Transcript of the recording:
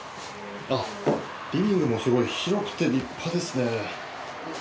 リビングもすごい広くて立派ですね。